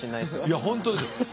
いや本当ですよ。